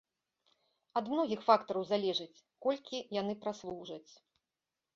Ад многіх фактараў залежыць, колькі яны праслужаць.